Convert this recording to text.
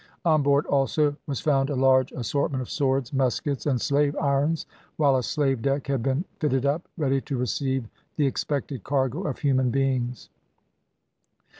On board, also, was found a large assortment of swords, muskets, and slave irons, while a slave deck had been fitted up, ready to receive the expected cargo of human beings.